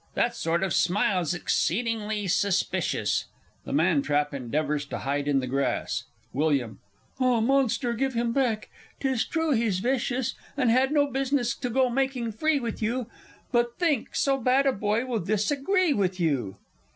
That sort of smile's exceedingly suspicious. [The Man trap endeavours to hide in the grass. Wm. Ah, Monster, give him back 'tis true he's vicious, And had no business to go making free with you! But think, so bad a boy will disagree with you!